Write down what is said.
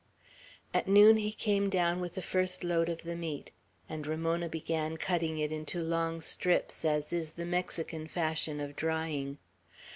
At noon he came down with the first load of the meat, and Ramona began cutting it into long strips, as is the Mexican fashion of drying.